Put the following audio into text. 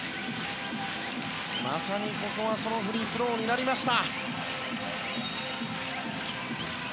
まさにここはそのフリースローになりました。